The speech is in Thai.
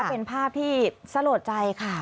เป็นภาพที่สลดใจค่ะ